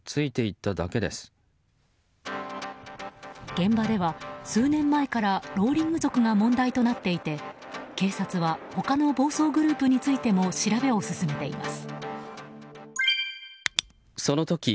現場では数年前からローリング族が問題となっていて警察は他の暴走グループについても調べを進めています。